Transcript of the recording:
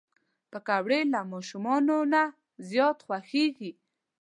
پکورې له ماشومانو نه زیات خوښېږي